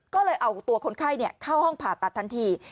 ก็เลยเอาตัวคนไข้เข้าห้องผ่าตัดทันที